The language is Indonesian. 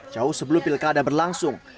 jauh sebelum pilkada berlangsung